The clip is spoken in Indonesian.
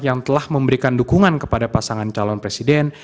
yang telah memberikan dukungan kepada pasangan calon presiden